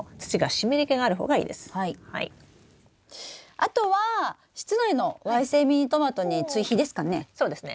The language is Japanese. あとは室内のわい性ミニトマトに追肥ですかね？